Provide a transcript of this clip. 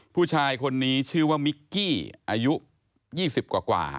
ผู้ชายคนนี้ชื่อว่ามิกกี้อายุ๒๐กว่า